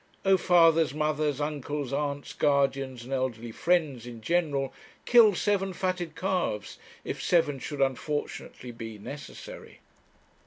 Oh, fathers, mothers, uncles, aunts, guardians, and elderly friends in general, kill seven fatted calves if seven should unfortunately be necessary!